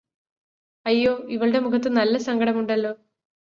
അയ്യോ ഇവളുടെ മുഖത്ത് നല്ല സങ്കടമുണ്ടല്ലോ